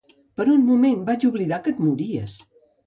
Per un moment, vaig oblidar que et mories.